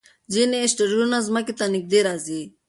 ځینې اسټروېډونه ځمکې ته نږدې راځي.